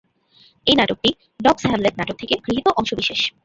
এই নাটকটি "ডগ’স হ্যামলেট" নাটক থেকে গৃহীত অংশবিশেষ।